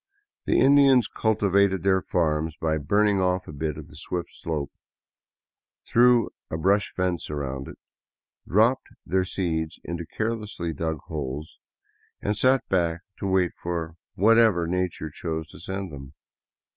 The Indians culti vated their " farms " by burning off a bit of the swift slope, threw a brush fence about it, dropped their seeds into carelessly dug holes, and sat back to wait for whatever nature chose to send them.